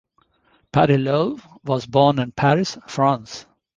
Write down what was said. Parillaud was born in Paris, France.